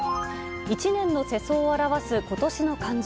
一年の世相を表す今年の漢字。